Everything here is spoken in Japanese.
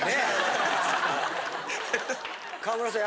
川村さん